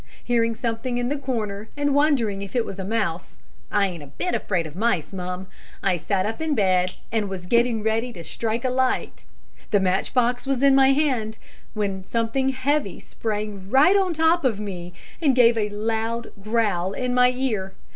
Hearing something in the corner and wondering if it was a mouse I ain't a bit afraid of mice, mum I sat up in bed and was getting ready to strike a light the matchbox was in my hand when something heavy sprang right on the top of me and gave a loud growl in my ear.